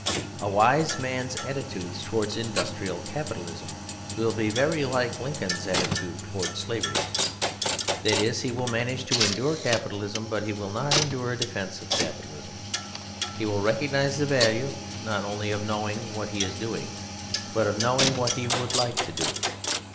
A wise man's attitude towards industrial capitalism will be very like Lincoln's attitude towards slavery. That is, he will manage to endure capitalism; but he will not endure a defence of capitalism. He will recognise the value, not only of knowing what he is doing, but of knowing what he would like to do.